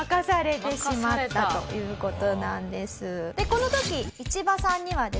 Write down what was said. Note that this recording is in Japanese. この時イチバさんにはですね